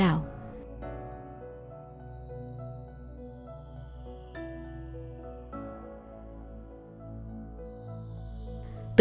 à ừ ừ